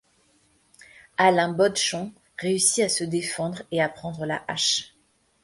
Alain Bodchon réussit à se défendre et à prendre la hache.